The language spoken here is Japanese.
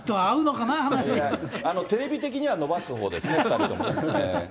テレビ的には延ばすほうですね、恐らく２人とも。